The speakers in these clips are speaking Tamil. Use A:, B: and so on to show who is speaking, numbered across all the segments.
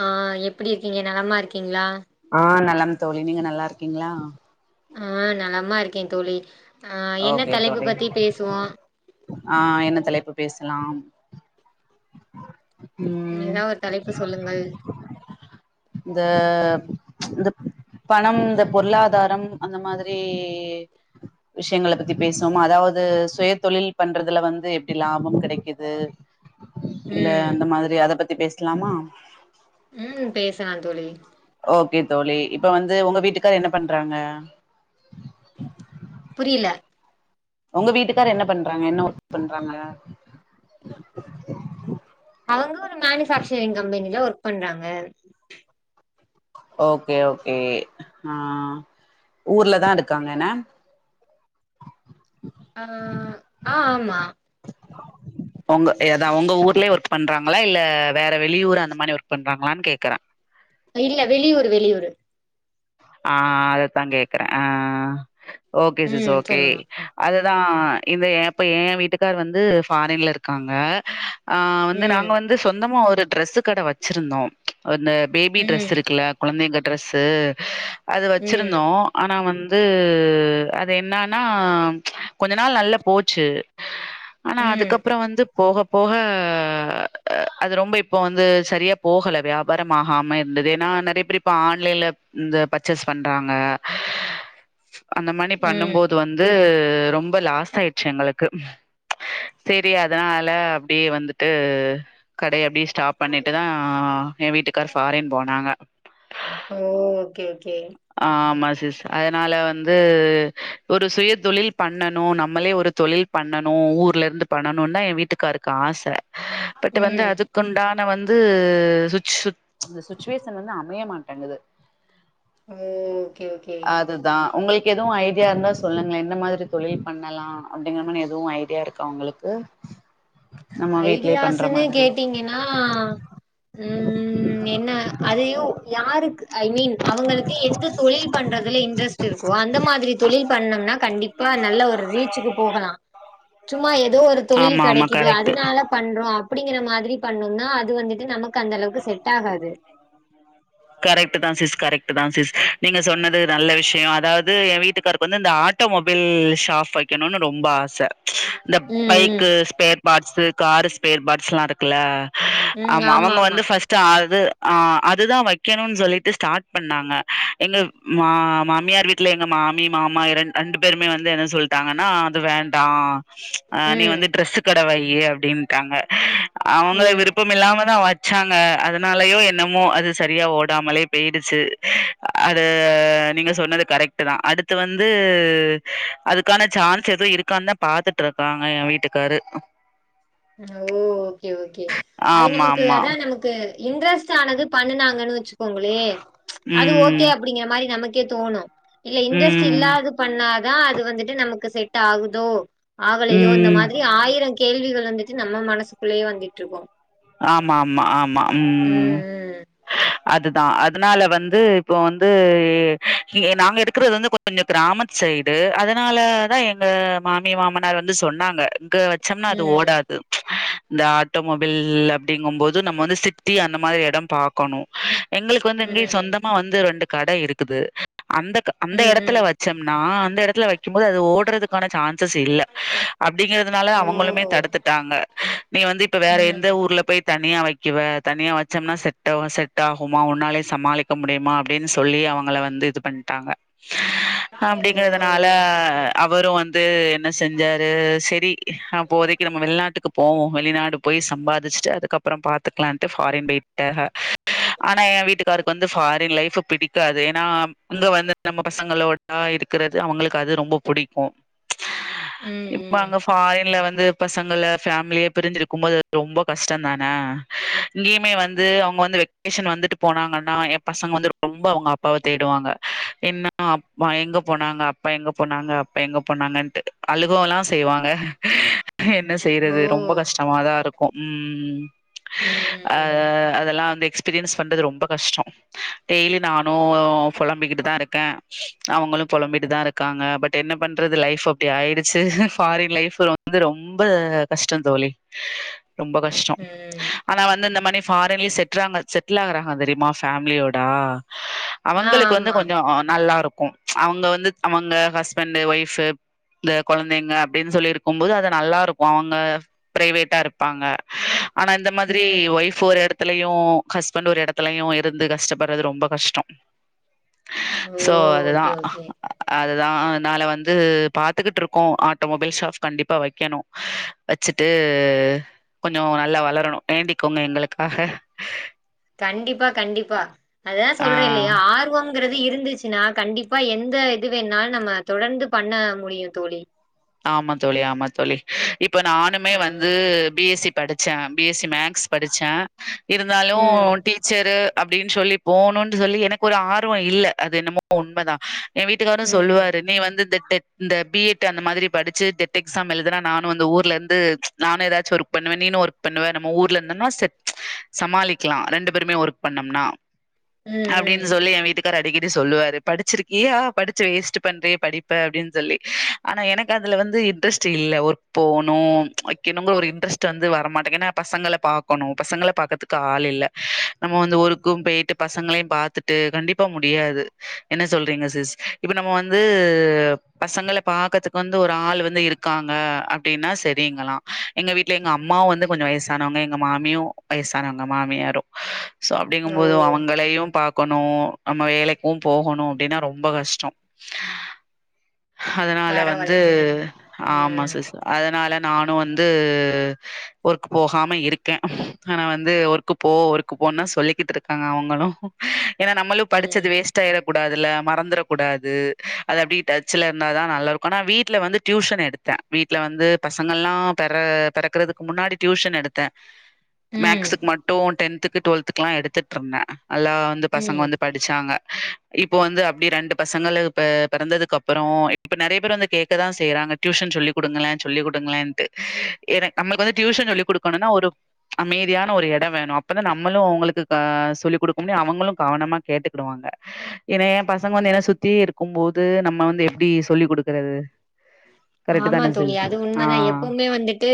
A: ஆ எப்டி இருக்கீங்க நலமா இருக்கீங்ளா
B: ஆ நலம் தோழி நீங்க நல்லாருக்கீங்ளா
A: அ நலமா இருக்கே தோழி ஆ என்ன
B: ஓகே
A: தலைப்பு
B: தோழி
A: பத்தி பேசுவோம்?
B: ஆ என்ன தலை ப்பு பேஸ்லாம் ம்
A: ஏதா ஒரு தலைப்பு சொல்லுங்கள்.
B: இந்த இந்த பணம் இந்த பொருளாதாரம் அந்த மாதிரி விஷ்யங்கள பத்தி பேஸ்வோமா அதாவது சுய தொழில் பண்றதுல வந்து எப்டி லாபம் கிடைக்குது இல்ல
A: ம்
B: அந்த மாதிரி அத பத்தி பேஸ்லாமா
A: ம் பேசலா தோழி
B: ஓகே தோழி இப்ப வந்து ஒங்க வீட்டுக்கார் என்ன பண்றாங்க
A: புரில
B: ஒங்க வீட்டுக்கார் என்ன பண்றாங்க என்ன ஒர்க் பண்றாங்க
A: அவங்க ஒரு மேனுஃபேக்சரிங் கம்பெனில ஒர்க் பண்றாங்க
B: ஓகே ஓகே ஆ ஊர்லதாருக்காங்க என்ன
A: ஆ ஆ ஆமா
B: ஆ ஒங்க எதா ஒங்க ஊர்லே ஒர்க் பண்றாங்களா இல்ல வேற வெளியூர் அத மாரி ஒர்க் பண்றாங்களான் கேக்குறே
A: இல்லயா வெளியூரு வெளியூரு
B: ஆ அதத்தா கேக்குறே ஆ ஓகே சிஸ்
A: ம்
B: ஓகே
A: சொல்லுங்க.
B: அதா இந்த எப்ப ஏன் வீட்டுக்கார் வந்து ஃபாரின்லருக்காங்க ஆ வந்து
A: ம்
B: நாங்க வந்து சொந்தமா ஒரு ட்ரெஸ்ஸு கட வச்சிருந்தோ அந்த பேபி ட்ரெஸ்
A: ம்
B: இருக்குல்ல கொழந்தைங்க டிரெஸ்ஸு அது
A: ம்
B: வச்சிருந்தோ ஆனா வந் து அது என்னானா கொஞ்ச நாள் நல்லா போச்சு ஆனா
A: ம்
B: அதுக்கப்றோ வந்து போக போக அது ரொம்ப இப்ப வந் ந்து சரியா போகல வியாபாரம் ஆகாம இருந்தது ஏனா நறைய பேரு இப்ப ஆன்லைன்ல இந்த பர்ச்சேஸ் பண்றாங்க அந்த மானி
A: ம்
B: பண்ணும்போது வந்து து ரொம்ப லாஸ் ஆயிட்ச்சு எங்களுக்கு செரி அதனால அப்டியே வந்துட்டு கடய அப்டியே ஸ்டாப் பண்ணிட்டுதா ஆ எ வீட்டுக்கார் ஃபாரின் போனாங்க
A: ஓ ஓகே ஓகே.
B: ஆ ஆமா சிஸ் அதனால வந் து ஒரு சுயதொழில் பண்ணணு நம்மளே ஒரு தொழில் பண்ணணு ஊர்லருந்து பண்ணணு ந்தா எ வீட்டுக்காருக்கு ஆச பட் வந்து
A: ம்
B: அதுக்குண்டான வ ந்து சுச்சு அந்த சுச்சுவேஷன் வந்து அமைய மாட்டங்குது
A: ஓ ஓகே ஓகே.
B: அதுதா உங்கள் க்கு எதுவு ஐடியா இருந்தா சொல்லுங்ளே எந்த மாதிரி தொழில் பண்ணலா அப்டிங்க மானி எதுவு ஐடியாருக்கா உங்களுக்கு நம்ம வீட்லயே பண்ற
A: ஐடியாஸ்ன்னு
B: மாதிரி
A: கேட்டீங்கன்னா ம் என்ன அதையு யாருக்கு ஐ மீன் அ அவுங்கள்க்கு எந்த தொழில் பண்றதுல இன்ரெஸ்ட்டு இருக்கோ அந்த மாதிரி தொழில் பண்ணம்னா கண்டிப்பா நல்ல ஒரு ரீச்சுக்கு போகலா சும்மா எதோ ஒரு தொழில்
B: ஆமா ஆமா
A: கெடைக்கி
B: கரெக்ட்
A: அதுனால பண்றோ அப்டிங்கிற மாதிரி பண்ணம்னா அது வந்துட்டு நமக்கு அந்தளவுக்கு செட்டாகாது
B: கரெக்ட்டு தா சிஸ் கரெக்ட்டு தா சிஸ் நீங்க சொன்னது நல்ல விஷயோ அதாவ்து எ வீட்டுக்காருக்கு வந்து அந்த ஆ ட்டு மொபைல் ஷாப் வெக்கணுனு ரொம்ப ஆச இந்த
A: ம் ம்
B: bike spare parts car spare பாட்ஸுலா இருக்குல்ல ஆமா அவங்க வந்து ஃபஸ்ட்டு அது ஆ அதுதா வ க்கணுன் சொல்லிட்டு ஸ்டாட் பண்ணாங்க எங்க மா மாமியார் வீட்ல எங்க மாமி மாமா ரண் டு பேருமே வந்து என்ன சொல்ட்டாங்கன்னா அது வேண்டா அ நீ
A: ம்
B: வந்து ட்ரெஸு கட வய்யி அப்டின்ட்டாங்க அவங்களே
A: ம்
B: விருப்பம் இல்லாமதா வ ச்சாங்க அதுனாலயோ என்னமோ அது சரியா ஓடாமலே பேயிடுச்சு அத நீங்க சொன்னது கரெக்ட்டு தா அடுத்து வந்து து அதுக்கான சான்ஸ் எது இருக்கான்தா பாத்துட்டுருக்காங்க எ வீட்டுக்காரு
A: ஓ ஓகே ஓகே அது
B: ஆமா
A: நமக்கு
B: ஆமா
A: அதா நமக்கு இன்ரெஸ்ட்டு ஆனது பண்ணுனாங்கனு வெச்சுக்கோங்களே அது ஓகே
B: ம்
A: அப்டிங்கற மாரி நம க்கே தோணு இல்ல இன்ரெஸ்ட்
B: ம்
A: இல்லாது பண்ணாதா அது வந்துட்டு நமக்கு செட் ஆகுதோ ஆகலையோ இந்த
B: ம்
A: மாதிரி ஆயிரங் கேள்விகள் வந்துட்டு நம்ம மனசுக்குள்ளயே வந்திட்ருக்கு
B: ஆமாமா ஆமா ம் அதுதா அதுனால வந்து இப்போ வந்து இ நாங்க இருக்கறது வந்து கொஞ்சோ கிராமத்து சைடு அதுனால தா எங்க மாமி மாமனார் வந்து சொன்னாங்க இங்க வச்சம்னா அது
A: ம்
B: ஓடாது இந்த ஆட்டோமொபைல் ல் அப்டிங்கம்போது நம்ம வந்து சிட்டி அந்த மாதிரி எடோ பாக்கணு எங்களுக்கு வந்து இங்கியே
A: ம்
B: சொந்தமா வந்து ரெண்டு கட இருக்குது அந்தக் அந்த
A: ம்
B: எடத்துல
A: ம்
B: வச்சம்னா அந்த எடத்துல வக்கிம் போது அது ஓட்றதுக்கான சான்சஸ் இல்ல அப்டிங்கிறதுனாலதா
A: ம்
B: அவுங்களுமே
A: ஓ
B: தடுத்துட்டாங்க நீ வந்து இப்ப வேற எ
A: ம்
B: போய் தனியா வக்கிவ தனியா வச்சம்னா செட்டாவு செட் ஆகுமா உன்னாலயே சமாளிக்க முடியிமா அப்டினு சொ ல்லி அவுங்கள வந்து இது பண்ட்டாங்க
A: ஓ
B: அப்டிங்கறதுனால
A: ஓகே ஓகே
B: அவரு வந்து என்ன செஞ்சாரு செரி அப்போதைக்கி நம்ம வெள்நாட்டுக்கு போவோ வெளிநாடு போய் சம்பாதிச்சிட்டு அதுக்கப்பறோ பாத்துக்கலான்ட்டு ஃபாரின் போயிட்டாக ஆனா எ வீட்டுக்காருக்கு வந்து ஃபாரின் லைஃபு பிடிக்காது ஏனா இங்க வந்து நம்ம பசங்களோடா இருக்கறது அவங்களுக்கு அது ரொம்ப புடிக்கு
A: ம்
B: இப்ப
A: ம்
B: அங்க ஃபாரின்ல வந்து பசங்கள ஃபேமிலிய பிரிஞ்சிருக்கும் போது [inaudible] ரொம்ப கஷ்டந்தான இங்கிமே வந்து அவுங்க வந்து வெகேஸன் வந்துட்டு போனாங்கன்னா எ பசங்க வந்து ரொம்ப அவுங்க அப்பாவ தேடுவாங்க என்ன அப்பா எங்க போனாங்க அப்பா எங்க போனாங்க ப்பா எங்க போனாங்கன்ட்டு அழுகவல்லா செய்வாங்க என்ன
A: ஓ
B: செய்றது ரொம்ப கஷ்டமாதா இருக்கு ம் அ
A: ம்
B: அதெல்லா வந்து எக்ஸ்பீரியன்ஸ் பண்றது ரொம்ப கஷ்டோ டெய்லி நானு புழம்பிக்கிட்டு தா இருக்க அவங் அவங்களு புழம்பிட்டு தா இருக்காங்க பட் என்ன பண்றது லைப் அப்டி ஆயிடுச்சு ஃபாரின் லைப் வந்து ரொம்ப கஷ்டோ தோழி ரொம்ப கஷ்டோ
A: ம்
B: ஆனா வந்து இந்த மணி ஃபாரின்லியே செட்ரங்கா செட்டில் ஆகுறாங்க தெரியுமா ஃபேமிலியோடா
A: ஆ
B: அவங்களுக்கு வந்து
A: ஆமா
B: கொஞ்சோ நல்லாருக் கும் அவங்க வந்து அவங்க ஹஸ்பண்ட் ஒய்ஃபு இந்த கொளந்தெங்க அப்டின் சொல்லி இருக்குபோது அது நல்லாருக்கு அவங்க பிரைவேட்டா இரு ப்பாங்க ஆனா இந்த மாதிரி
A: ம்
B: ஒய்ஃப் ஒரு எட த்லயு ஹஸ்பண்ட் ஒரு எடத்துலையு இருந்து கஷ்டப்பறது ரொம்ப கஷ்டோ
A: ஓ
B: சோ அதுதா
A: ஓகே ஓகே
B: அ ஆனால வந்து பாத்துக்கிட்டு இருக்கோ ஆட்டோமொபைல் ஷாப் கண்டிப்பா வக்கணு வச்சுட்டு கொஞ்சோ நல்லா வளரணு வேண்டிக்கொங்க எங்களுக்காக
A: கண்டிப்பா கண்டிப்பா அதா
B: ஆ
A: சொல்றேலியா ஆர்வங்கறது இருந் இருந்துச்சுன்னா கண்டிப்பா எந்த இது வேணாலு நம்ம தொடர்ந்து பண்ண முடியு தோழி
B: ஆமா தோழி ஆமா தோழி இப்ப நானுமே வந்து
A: ம்
B: பி எஸ் சி படிச்ச பி எஸ் சி ம ஷ்ஸ் படிச்ச இருந்தாலு
A: ம்
B: டீச்சரு அப்டின்னு சொல்லி போன்னு சொல்லி எனக்கு ஒரு ஆர்வோ இல்ல அது என்னமோ உண்மதா எ வீட்டுக்காரு
A: ம்
B: சொல்லுவாரு நீ வந்து இந்த டெ இந்த பி எட் அந்த மாதிரி படிச்சு டெட் எக்ஸா எழுதின நானு வந்து ஊர் இருந்து நானு ஏதாச்சு ஒர்க் பண்ணுவ நீனு ஒர்க் பண்ணுவ நம்ம ஊர்ல இருந்த செட் சமாளிக்லா ரெண்டு பேருமே ஒர்க் பண்ணம்னா
A: ம் ம்
B: அப்டின்னு சொல்லி எ வீட்டு கார் அடிக்கடி சொல்லுவாரு படிச்சிருக்கியா படிச்ச வேஸ்ட் பன்றியே படிப்ப அப்டின்னு சொல்லி ஆனா எனக் அதுல வந்து இன்டரெஸ்ட் இல்ல ஒர்க் போணு வெக்கனுங்க ஒரு இன்டரஸ்ட் வந்து வர மாட்டிங் ஏன்னா பசங்கள பா பாகணு பசங்கள பாக்கதுக்கு ஆள் இல்ல நம்ம வந்து ஒர்க்கு போயிட்டு பசங்கலியு பாத்துட்டு கண்டிப்பா முடியாது என்ன சொல்றீங்க சிஸ் இப்ப நம்ம வந்து பசங்கள பாக் கதுக் வந்து ஒரு ஆள் வந்து இருக்காங்க அப்டின்னா சரிங்களா எங்க வீட்ல எங்க அம்மாவு வந்து கொஞ்சோ வயசானவங் க எங்க மாமியு வயசானங்க மாமியாரு சோ அப்டிங்க
A: ஓ
B: போது அவங்களையு பாக்கணு நம்ம வேலைக்கு போகணு அப்டின்னா ரொம்ப கஷ்டோ அதனால வந்
A: பரவால்ல
B: து
A: தோழி
B: ஆமா
A: ம்
B: சிஸ் அ அதனால நானு வந்து ஒர்க்கு போகாம இருக்க ஆனா வந்து ஒர்க்கு போ ஒர்க் போன்னு சொல்லிக்கிட்டு இருக்காங்க அவங்களு ஏன்னா நம்மளு
A: ம்
B: படிச்சது வேஸ்டாயிற கூடாதள்ள மறந்துர கூடாது அத அப்டி டச்ல இருந்தாதா நல்லா இருக்கு ஆனா வீட் டுல வந்து டியூஷன் எடுத்த விட்டுல வந்து பசங்கல்லா பெற பெறக்கறதுக்கு முன்னாடி டியூஷன் எடுத்த
A: ம்
B: மேக்ஸுக்கு மட்டு டென்த்துக்கு டு்வல்த்துக்லா எடுத்துட் இருந்த நல்லா வந்து பசங்க
A: ம்
B: வந்து படிச்சாங்க இப்போ வந்து அப்டி ரெண்டு பசங்கலு பெ பெறந்ததுகப்ரோ இப்ப நெறைய பேர் வந்து கே தா செய்றாங்க டியூஷன் சொல்லிகுடுங்கள சொல்லிகுடுங்களேன்ட்டு எனக் நம்மளுக் வந்து டியூசன் சொல்லிடுக்கணுன்ன ஒரு அமைதியான ஒரு இட வேணு அப்பதா நம்மளு அவங்ளுக்கு சொல்லிகுடுக்க முடியு அவங்களு கவனமா கேட்டு வாங்க ஏன்ன ஏ பசங்க வந்து என்ன சுத்தி இருக்குபோது நம்ம வந்து எப்டி சொல்லி் குடுக்கறது [inaudible]
A: ஆமா தோழி
B: சிஸ்?
A: அது
B: ஆ.
A: உண்மதா எப்புமே வந்துட்டு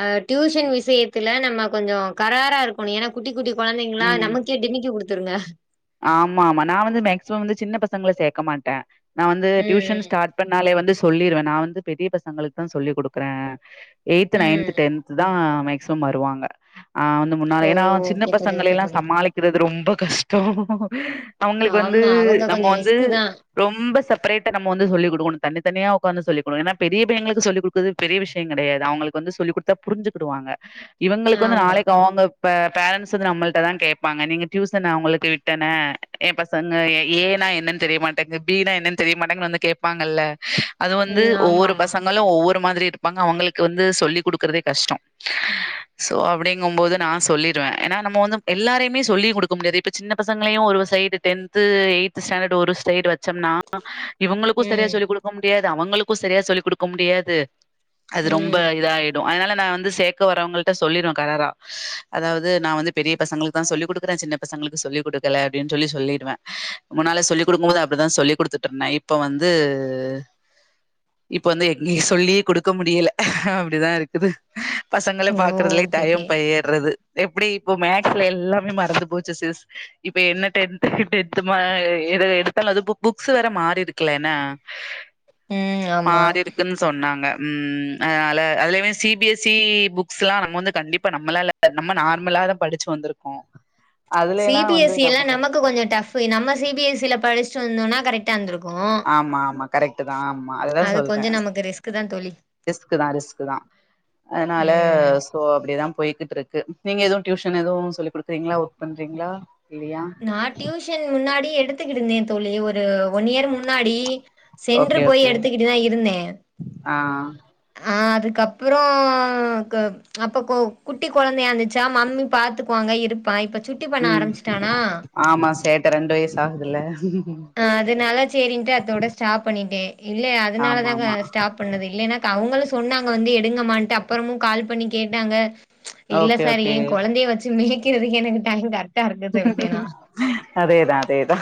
A: அ டியூஷன் விஷயத்துல நம்ம கொஞ்சோ கராரா இருக்கணு ஏன்னா குட்டி குட்டி கொழந்தேங்ளா நமக்கே டிமிக்கி குடுத்துருங்க
B: ஆமா ஆமா நா வந்து மேக்சிமம் வந்து சின்ன பசங்கள சேக்க மாட்ட நா வந்து
A: ம்
B: டியூஷன்
A: ம்
B: ஸ்டார்ட் பண்ணாலே வந்து சொல்லிருவ நா வந்து பெரிய பசங்களுக்கு தா சொல்லிக் கொடுக்குற எயி்ட்த் நைன்த்
A: ம்
B: டென்த் தா மேக்சிமம் வருவாங்க ஆ வந்து முன்னாலே
A: ஓ
B: ஏன்னா சின்ன
A: ஓகே தோழி ஓகே
B: பசங்களையெல்லா
A: தோழி
B: சமாளிக்கிறது ரொம்ப கஷ்டோ அவங்களுக்கு வந்து
A: ஆமா அவங்க
B: நம்ம
A: கொஞ்சோ
B: வந்து
A: ரிஸ்க்கு தா
B: ரொம்ப செப்பரேட்டா நம்ம வந்து சொல்லி கொடு தனித்தனியா உட்காந்து சொல்லிக்கோ ஏன்னா பெரிய பையங்களுக்கு சொல்லிக்குடுக்குது பெரிய விஷய கிடையாது அவளுக்குவந்து சொல்லி கொடுத்தா புரிஞ்சு டுவாங்க இவங்களுக்கு வந்து
A: ஆமா
B: நாளைக்கு அவுங்க பே பேரண்ட்ஸ் வந்து நம்மல்ட்டதா கேப்பாங்க நீங்க டியூசன் அவுங்ளுக் கிவிட்டன ஏம் பசங்க ஏ னா என்னன் தெரியமாட்டேங்கு பீ னா என்னன் தெரியமாட்டேங்குனு வந்து கேப்பாங்கல்ல அ அது
A: ம்
B: வந்து
A: ஆமா
B: ஒவ்வொரு
A: ஆமா
B: பசங்களு ஒவ்வொ ரு மாதிரி இருப்பாங்க அவங்களுக்கு வந்து சொல்லிக் குடுக்கறதே கஷ்ட சோ அப்டிங்கும்போது நா சொல்லி டுவ ஏனா நம்ம வந்து எல்லாரையுமே சொல்லி குக்க முடியாது இப் இப்ப சின்ன பசங்களையு ஒரு சைடு டென்த்து எய்த்து ஸ்டாண்டடு ஒரு சைடு வச் ச்சம்னா இவங்களுக்கு செரியா
A: ம்
B: சொல்லிக் குடுக்க முடியாது அவங்களுக்கு செரியா சொல்லி குடுக்க முடியாது அது ரொம்ப
A: ம்
B: இதாயிர் டு அதனால நா வந்து சேக்க வரவங்கள்ட்ட சொல்லிருவ கராரா அதாவது நா வந்து பெரிய பசங்களுக்தா சொல்லி குடுக்கறே சின்னப் பசங்களுக்கு சொல்லிக்குடுக்கல அப்டின் சொல்லி சொல்லிடுவே முன்னால சொல்லி குடுக்கும்போது அப்டிதா சொல்லி குடுத்துட்ருந்தே இப்ப வந்து து இப்ப வந்து எங்கியு சொல்லி குடுக்க முடியல அப்டிதா இருக்குது பசங்கள
A: ஓ
B: பாக்குறதுலே
A: ஓகே ஓகே
B: டையம் பையிர்றது எப்டி இப்போ மேக்ஸ்ல எல்லாமே மறந்து போச் ச்சு சிஸ் இப்ப என்ன டென்த்து டென்த்து மா இது எடுத்தலு அது புக் புக்ஸ் வேற மாறிருக்குல்ல ந
A: ம் ஆமா
B: மாறிருக்குன் சொன்னாங்க ம் ம் அதனால அதுலையுமே சி பி எஸ் சி புக்ஸ்லா நம்ம வந்து கண்டிப்பா நம்மளால நம்ம நார்மலா அத படிச்சு வந்திருக்கோ அதுல
A: சி
B: எல்லா
A: பி எஸ்
B: வந்து
A: சி எல்லா நமக்கு கொஞ்ச டஃப்பு நம்ம சி பி எஸ் சி ல படிஸ்ட்டு வந்தோனா கரெக்டா இந்திருக்
B: ஆமா ஆமா கரெக்ட்டுதா ஆமா அததா
A: அது
B: சொல்றே
A: கொஞ்சோ நமக்கு ரிஸ்க் தா தோழி
B: ரிஸ்க்குதா ரிஸ்க்குதா அதனால
A: ம்
B: சோ அப்டிதாம் போய்க்கிட்ருக்கு நீங்க எதுவு டியூஷன் எதுவு சொல்லி குடுக்குறீங்ளா ஒர்க் பண்றிங்ளா
A: நா டியூஷன் முன்னாடி எடுத்துக்கிடுந்தே தோழி ஒரு ஒன்னியர் முன்னாடி சென்று
B: ஓகே
A: போய்
B: ஓகே
A: எடுத்துக்கிட்டுதா இருந்தே
B: ஆ
A: ஆ அதுக்கப்புற கெ அப்ப குட்டி கொழந்தையா இந்துச்சா மம்மி பாத்துப் குவாங்க இருப்பா இப்ப சுட்டி பண்ண
B: உம்
A: ஆரம்பிச்சுட்டானா
B: ஆமா சேட்ட ரெண்டு வயசு ஆகுதுல்ல
A: ஆ அது நல்லா சேரின்ட்டு அதோட ஸ்டாப் பண்ணிட்டே இல்ல அதனால
B: ஆமா
A: தாங்க
B: ஆமா
A: ஸ்டாப் பண்ணது இல்லைனாக்கா அவங்களுஸ் சொன்னாங்க வந்து எடுங்கமான்ட்டு அப்புறமு கால் பண்ணி கேட்டாங்க இல்ல
B: ஓகே
A: சார்
B: ஓகே
A: ஏ கொழந்தய வச்சு மேய்க்கிறதுக்கே எனக்கு டைம் கரக்
B: அதேதா அதேதா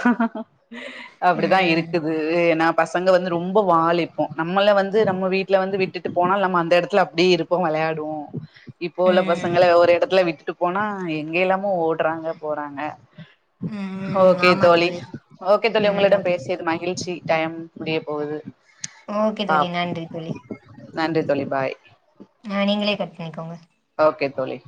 B: அப்டிதா
A: ம்.
B: இருக்குது எனாப் பசங்க வந்து ரொம்ப வாலு இப்போ நம்மள வந்து நம்ம வீட்ல வந்து விட்டுட்டு போனால் நம்ம அந்த எடத்ல அப்டியே இருப்போ வெளை யாடுவோ இப்போ உள்ள
A: ம்.
B: பசங்கள ஒரு எடத்ல விட்டுட்டு போனா எங்கையெல்லாமோ ஓடறாங்க போறாங்க
A: ம்.
B: ஓகே
A: ஆமா
B: தோழி ஓகே தோழி
A: ம்.
B: உங்களிடம்
A: ஓகே.
B: பேசியது மகிழ்ச்சி டைம் முடிய போகுது
A: ஓகே தோழி.
B: பாப்போ
A: நன்றி தோழி.
B: நன்றி தோழி பாய்
A: இனிகோங்க
B: ஓகேத்தோழி